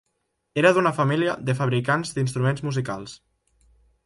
Era d'una família de fabricants d'instruments musicals.